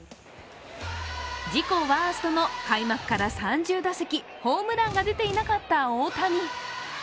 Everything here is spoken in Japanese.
自己ワーストの開幕から３０打席ホームランが出ていなかった大谷。